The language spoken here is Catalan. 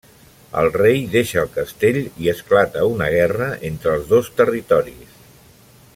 El rei deixa el castell i esclata una guerra entre els dos territoris.